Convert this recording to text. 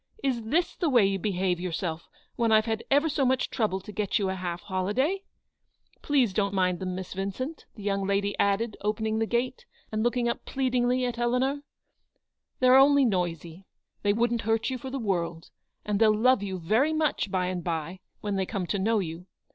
Is this the way you behave yourself when I've had ever so much trouble to get you a half holiday ? Please, don't mind them, Miss Vin cent," the young lady added, opening the gate, and looking up pleadingly at Eleanor ;" they're only noisy. They wouldn't hurt you for the world; and they'll love you very much by and by, when they come to know you.